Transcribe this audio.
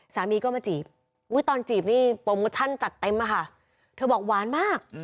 สามีก็มาจีบอุ้ยตอนจีบนี่โปรโมชั่นจัดเต็มอะค่ะเธอบอกหวานมาก